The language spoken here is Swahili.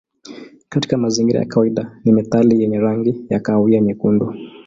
Katika mazingira ya kawaida ni metali yenye rangi ya kahawia nyekundu.